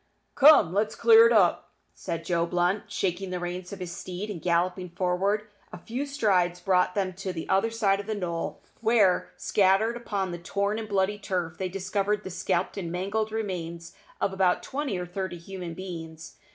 "Come, let's clear it up," cried Joe Blunt, shaking the reins of his steed, and galloping forward. A few strides brought them to the other side of the knoll, where, scattered upon the torn and bloody turf, they discovered the scalped and mangled remains of about twenty or thirty human beings.